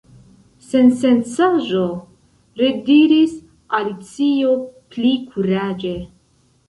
"Sensencaĵo," rediris Alicio pli kuraĝe.